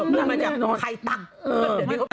มันมาจากไทยตั๊ก